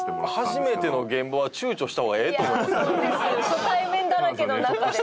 初対面だらけの中でなかなか。